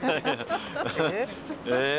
え？